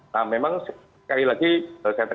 nah memang sekali lagi saya tekankan begini